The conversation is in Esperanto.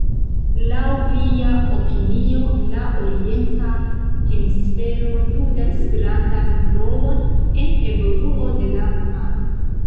Laŭ lia opinio, la Orienta hemisfero ludas grandan rolon en evoluo de la homaro.